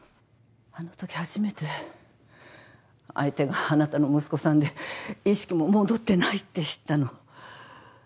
あのとき初めて相手があなたの息子さんで意識も戻ってないって知ったの。